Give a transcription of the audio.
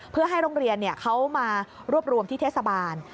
เพื่อให้โรงเรียนเขามารวบรวมที่เทศบาล